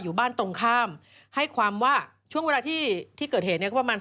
ซึ่งตอน๕โมง๔๕นะฮะทางหน่วยซิวได้มีการยุติการค้นหาที่